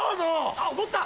あっ怒った！